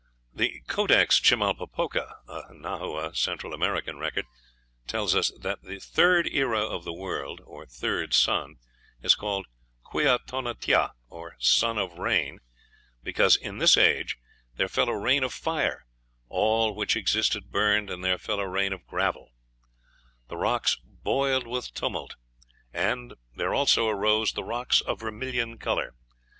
The "Codex Chimalpopoca" a Nahua, Central American record tells us that the third era of the world, or "third sun," is called, Quia Tonatiuh, or sun of rain, "because in this age there fell a rain of fire, all which existed burned, and there fell a rain of gravel;" the rocks "boiled with tumult, and there also arose the rocks of vermilion color."